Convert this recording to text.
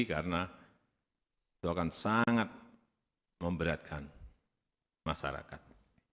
karena itu akan sangat memberatkan masyarakat